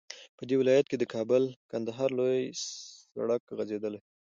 په دې ولايت كې د كابل- كندهار لوى سړك غځېدلى